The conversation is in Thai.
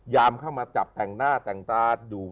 ยามเข้ามาจับแต่งหน้าแต่งตาดู